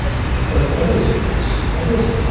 'But what is it, Miss, what is it?